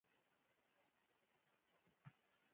د ځمکې ښه اوبدنه د نبات د ریښو ودې ته ګټه رسوي.